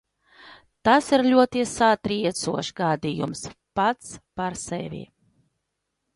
Tas ir ļoti satriecošs gadījums pats par sevi.